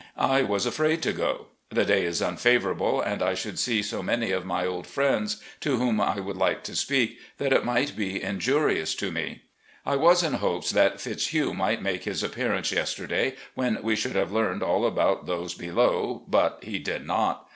I was afraid to go. The day is tmfavourable, and I should see so many of my old friends, to whom I would like to speak, that it might be injurious to me. I was in hopes that Fitzhugh might make his appearance yesterday, when we should have learned all about those below, but he did not.